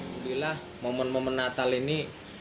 alhamdulillah momen momen natal ini